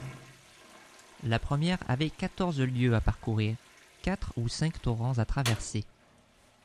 La première avait quatorze lieues à parcourir, quatre ou cinq torrents à traverser.